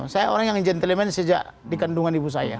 saya orang yang gentleman sejak dikandungan ibu saya